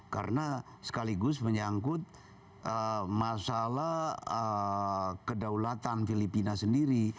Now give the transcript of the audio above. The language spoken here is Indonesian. karena sekaligus menyangkut masalah kedaulatan filipina sendiri